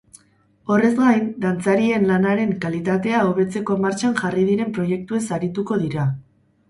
Horrez gain, dantzarien lanaren kalitatea hobetzeko martxan jarri diren proiektuez arituko dira.